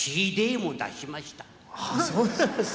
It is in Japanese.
あそうなんですね。